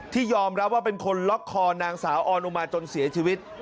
ยอมรับว่าเป็นคนล็อกคอนางสาวออนอุมาจนเสียชีวิต